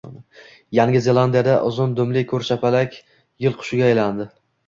Yangi Zelandiyada uzun dumli ko‘rshapalak yil qushiga aylanadi